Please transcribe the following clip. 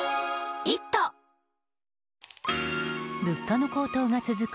物価の高騰が続く